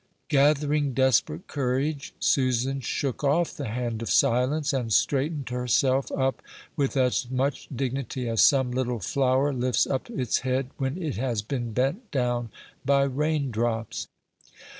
Gathering desperate courage, Susan shook off the hand of Silence, and straightened herself up with as much dignity as some little flower lifts up its head when it has been bent down by rain drops.